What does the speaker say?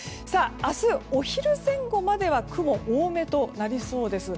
明日、お昼前後までは雲多めとなりそうです。